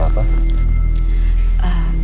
ada masalah apa